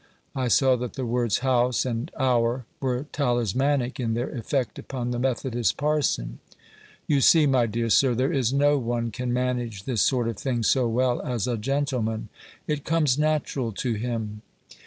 I saw that the words "house" and "our" were talismanic in their effect upon the Methodist parson. You see, my dear sir, there is no one can manage this sort of thing so well as a gentleman. It comes natural to him.